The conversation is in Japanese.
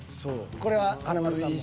これは華丸さんも。